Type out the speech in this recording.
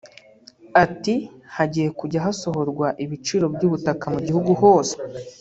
Ati “Hagiye kujya hasohorwa ibiciro by’ubutaka mu gihugu hose